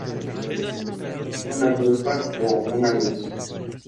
El fruto es una drupa o una nuez.